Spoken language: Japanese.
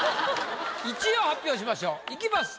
１位を発表しましょう。いきます。